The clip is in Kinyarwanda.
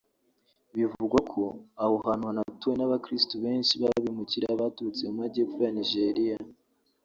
Bivugwa ko aho hantu hanatuwe n’Abakirisitu benshi b’abimukira baturutse mu Majyepfo ya Nigeria